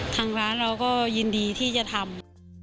ทางร้านเราก็ยินดีที่จะทำ